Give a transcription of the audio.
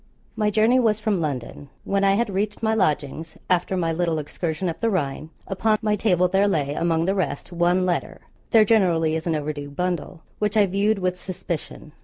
My journey was from London. When I had reached my lodgings, after my little excursion up the Rhine, upon my table there lay, among the rest, one letter there generally is in an overdue bundle which I viewed with suspicion.